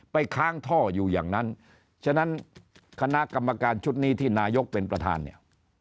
ค้างท่ออยู่อย่างนั้นฉะนั้นคณะกรรมการชุดนี้ที่นายกเป็นประธานเนี่ย